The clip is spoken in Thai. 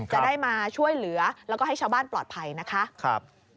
ให้ช่วยมาช่วยเหลือและก็ให้ชาวบ้านปลอดภัยนะคะ